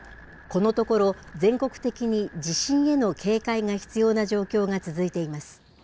このところ、全国的に地震への警戒が必要な状況が続いています。